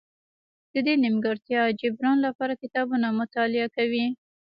د دې نیمګړتیا جبران لپاره کتابونه مطالعه کوي.